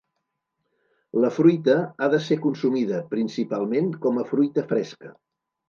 La fruita ha de ser consumida, principalment, com a fruita fresca.